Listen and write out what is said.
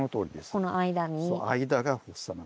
この間に。